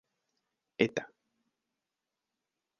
eta